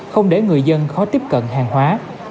không để người dân khó tiếp cận hàng hóa